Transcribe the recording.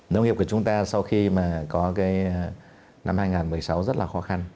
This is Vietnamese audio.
nông nghiệp của chúng ta sau khi mà có cái năm hai nghìn một mươi sáu rất là khó khăn